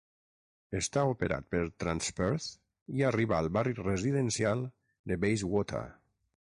Està operat per Transperth i arriba al barri residencial de Bayswater.